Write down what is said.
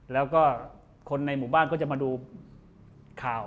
แล้วก็คนในหมู่บ้านก็จะมาดูข่าว